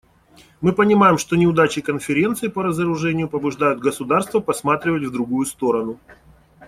Мы понимаем, что неудачи Конференции по разоружению побуждают государства посматривать в другую сторону.